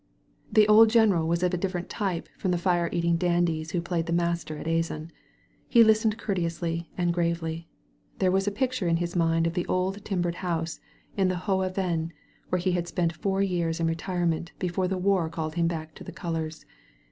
The old general was of a different tyx>e from the fire eating dandies who played the master at Azan. He listened courteously and gravely. There was a picture in his mind of the old timbered house in the Hohe Venn» where he had spent four years in retirement before the war called him back to the colors.